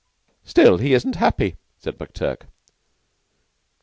"Still he isn't happy," said McTurk.